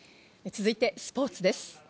続いてスポーツです。